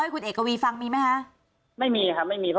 คุณเอกวีสนิทกับเจ้าแม็กซ์แค่ไหนคะ